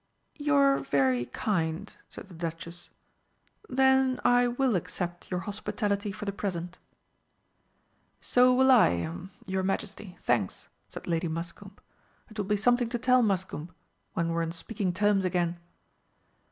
"You're very kind," said the Duchess. "Then I will accept your hospitality for the present." "So will I er your Majesty, thanks," said Lady Muscombe. "It will be something to tell Muscombe when we're on speaking terms again."